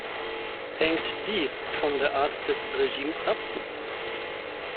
Hängt dies von der Art des Regimes ab?